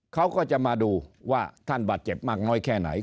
เขาก็จะมาดูว่าท่านบาดเจ็บมากน้อยแค่ไหน